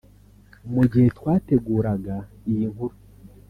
Mu gihe twateguraga iyi nkuru